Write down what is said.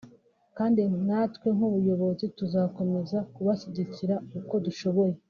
kandi natwe nk’ubuyobozi tuzakomeza kubashyigikira uko dushoboye”